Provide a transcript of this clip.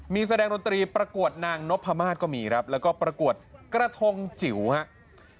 มีแสดงดนตรีประกวดนางนพมาศก็มีครับแล้วก็ประกวดกระทงจิ๋วครับ